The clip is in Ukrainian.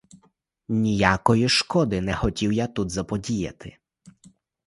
Ніякої шкоди не хотів я тут заподіяти.